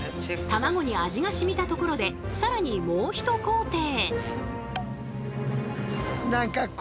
卵に味がしみたところで更にもう一工程。